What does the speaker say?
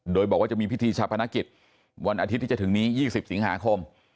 โดยบอกว่าจะมีพิธีชาพนักกิจวันอาทิตย์ที่จะถึงนี้๒๐สิงหาคม